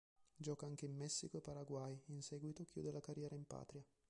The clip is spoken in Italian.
Gioca anche in Messico e Paraguay, in seguito chiude la carriera in patria.